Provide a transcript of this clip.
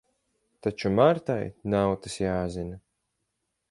Taču Martai nav tas jāzina.